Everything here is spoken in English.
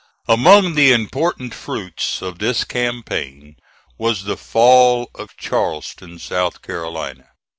Among the important fruits of this campaign was the fall of Charleston, South Carolina.